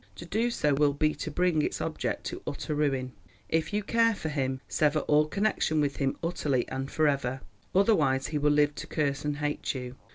To do so will be to bring its object to utter ruin. If you care for him, sever all connection with him utterly and for ever. Otherwise he will live to curse and hate you.